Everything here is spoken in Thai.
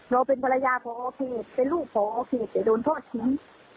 เราเป็นภรรยาพอเขตเป็นลูกพอเขตแต่โดนทอดทิ้ง